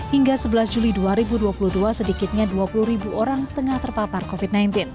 hingga sebelas juli dua ribu dua puluh dua sedikitnya dua puluh ribu orang tengah terpapar covid sembilan belas